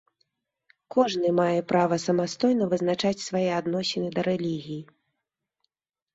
Кожны мае права самастойна вызначаць свае адносіны да рэлігіі.